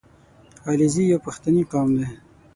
• علیزي یو پښتني قوم دی.